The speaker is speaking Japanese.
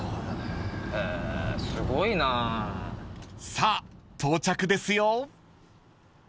［さあ到着ですよ］